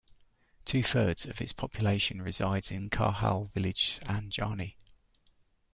Two-thirds of its population resides in Karhal village anjani.